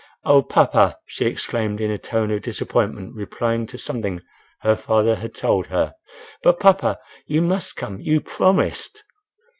"Oh! papa!" she exclaimed in a tone of disappointment, replying to something her father had told her. "But papa you must come—You promised!"